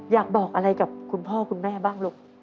อยากบอกอะไรกับคุณพ่อคุณแม่บ้างลูก